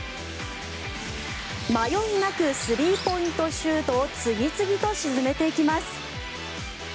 迷いなくスリーポイントシュートを次々と沈めていきます。